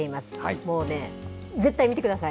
もうね、絶対見てください。